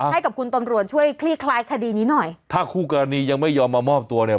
ให้กับคุณตำรวจช่วยคลี่คลายคดีนี้หน่อยถ้าคู่กรณียังไม่ยอมมามอบตัวเนี่ย